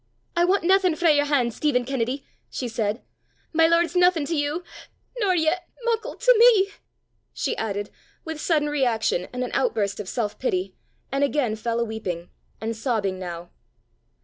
"I want naething frae your han', Stephen Kennedy," she said. "My lord's naething to you nor yet muckle to me!" she added, with sudden reaction and an outburst of self pity, and again fell a weeping and sobbing now.